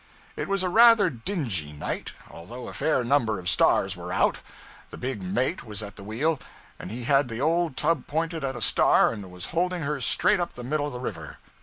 It was a rather dingy night, although a fair number of stars were out. The big mate was at the wheel, and he had the old tub pointed at a star and was holding her straight up the middle of the river.